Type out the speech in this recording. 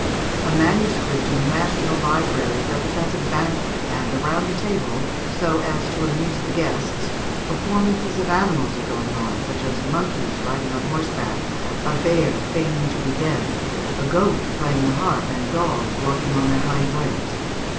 A manuscript in the National Library represents a banquet, and around the table, so as to amuse the guests, performances of animals are going on, such as monkeys riding on horseback, a bear feigning to be dead, a goat playing the harp, and dogs walking on their hind legs."